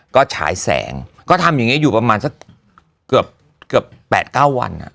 ก็ฉายแสงก็ทำอย่างนี้อยู่ประมาณสักเกือบ๘๙วัน